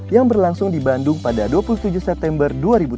yang berlangsung di bandung pada dua puluh tujuh september dua ribu tujuh belas